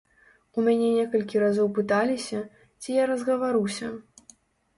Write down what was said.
У мяне некалькі разоў пыталіся, ці я разгаваруся.